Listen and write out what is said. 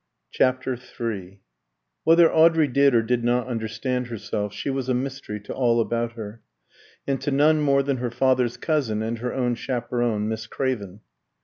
CHAPTER III Whether Audrey did or did not understand herself, she was a mystery to all about her, and to none more than her father's cousin and her own chaperon, Miss Craven.